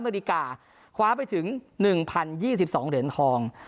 สหรัฐอเมริกาคว้าไปถึง๑๐๒๒เหรียญทอง